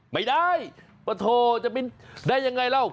ไม่ได้ปะโถจะเป็นได้อย่างไรแล้ว